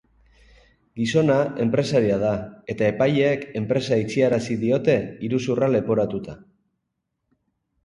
Gizona enpresaria da eta epaileek enpresa itxiarazi diote iruzurra leporatuta.